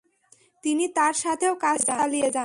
তিনি তার সাথেও কাজ চালিয়ে যান।